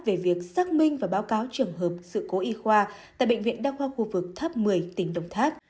về việc xác minh và báo cáo trường hợp sự cố y khoa tại bệnh viện đa khoa khu vực tháp một mươi tỉnh đồng tháp